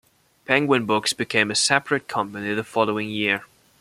Penguin Books became a separate company the following year.